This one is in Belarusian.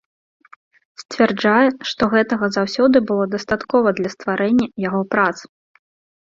Сцвярджае, што гэтага заўсёды было дастаткова для стварэння яго прац.